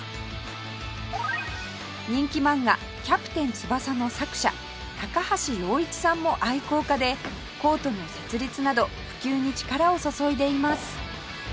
人気漫画『キャプテン翼』の作者高橋陽一さんも愛好家でコートの設立など普及に力を注いでいます